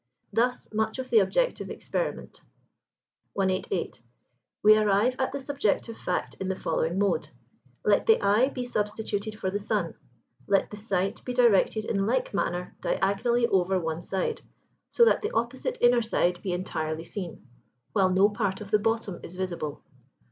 Thus much of the objective experiment. 188. We arrive at the subjective fact in the following mode: Let the eye be substituted for the sun: let the sight be directed in like manner [Pg 78] diagonally over one side, so that the opposite inner side be entirely seen, while no part of the bottom is visible.